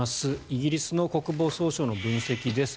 イギリスの国防省の分析です。